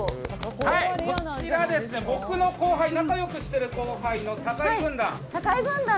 こちら、僕の後輩仲良くしている後輩の酒井軍団。